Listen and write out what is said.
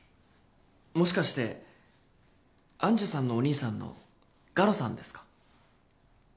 もしかして愛珠さんのお兄さんの我路さんですか？